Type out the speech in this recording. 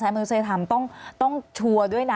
มนุษยธรรมต้องชัวร์ด้วยนะ